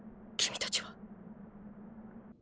君たちは。